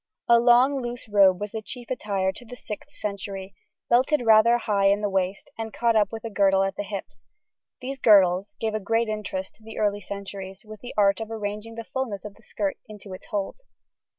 A long loose robe was the chief attire to the 6th century, belted rather high in the waist, and caught up with a girdle at the hips; these girdles gave a great interest to the early centuries, with the art of arranging the fullness of skirt into its hold.